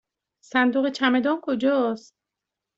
صندوق چمدان کجاست؟